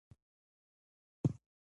افغانستان د نمک د ساتنې لپاره قوانین لري.